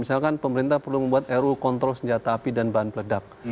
misalkan pemerintah perlu membuat ruu kontrol senjata api dan bahan peledak